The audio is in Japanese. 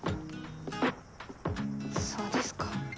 そうですか。